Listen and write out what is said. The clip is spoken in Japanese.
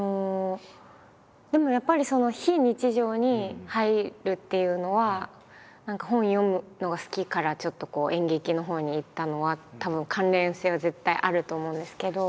でもやっぱりその非日常に入るっていうのは何か本を読むのが好きからちょっと演劇のほうに行ったのはたぶん関連性は絶対あると思うんですけど。